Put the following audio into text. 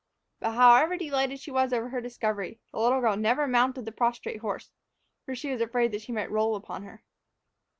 But however delighted she was over her discovery, the little girl never mounted the prostrate horse, for she was afraid that she might roll upon her.